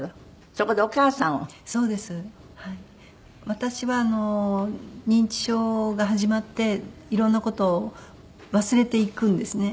私は認知症が始まっていろんな事を忘れていくんですね。